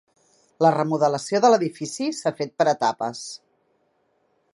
La remodelació de l'edifici s'ha fet per etapes.